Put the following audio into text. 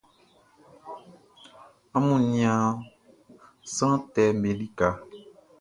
Amun nian sran tɛʼm be lika.